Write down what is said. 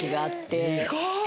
すごい！